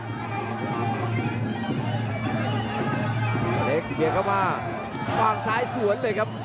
นิดนึงเคยเข้ามาห้องสายสวนเลยครับ